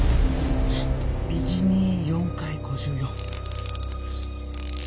右に４回５４。